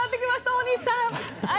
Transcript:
大西さん！